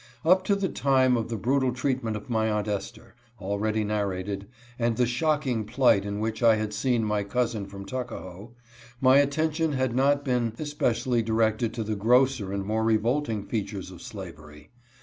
Up to the time of the brutal treatment of my Aunt Esther, already narrated, and the shocking plight in which I had seen my cousin from Tuckahoe, my attention had not been especially directed to the grosser and more re volting features of slavery.